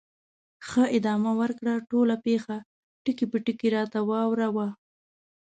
ښه، ادامه ورکړه، ټوله پېښه ټکي په ټکي راته واوره وه.